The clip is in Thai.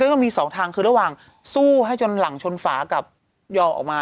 ก็มีสองทางคือระหว่างสู้ให้จนหลังชนฝากับยอออกมา